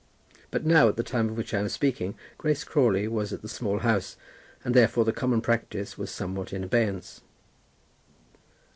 But now, at the time of which I am speaking, Grace Crawley was at the Small House, and therefore the common practice was somewhat in abeyance.